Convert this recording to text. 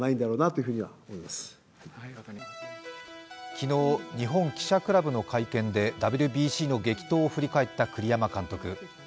昨日、日本記者クラブの会見でＷＢＣの激闘を振り返った栗山監督。